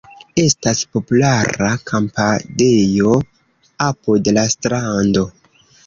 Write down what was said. Estas populara kampadejo apud la strando.